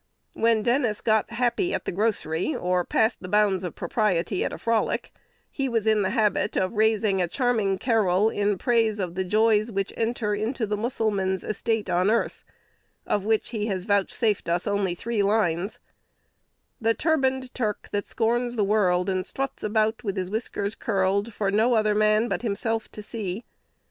When Dennis got happy at the grocery, or passed the bounds of propriety at a frolic, he was in the habit of raising a charming carol in praise of the joys which enter into the Mussulman's estate on earth, of which he has vouchsafed us only three lines, "The turbaned Turk that scorns the world, And struts about with his whiskers curled, For no other man but himself to see."